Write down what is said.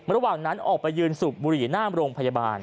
ระหว่างนั้นออกไปยืนสูบบุหรี่หน้าโรงพยาบาล